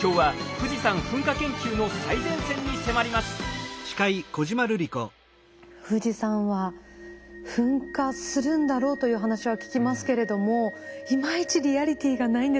富士山は噴火するんだろうという話は聞きますけれどもいまいちリアリティーがないんですよね